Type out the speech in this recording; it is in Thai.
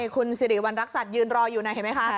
คุณสิริวัณรักษัตริย์ยืนรออยู่นะเห็นไหมคะ